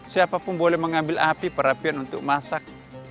siapapun boleh mengambil api perapian untuk masak